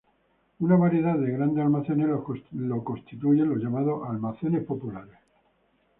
Una variedad de grandes almacenes lo constituyen los llamados almacenes populares.